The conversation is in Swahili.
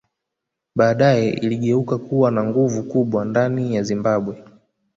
Badae iligeuka kuwa na nguvu kubwa ndani ya Zimbabwe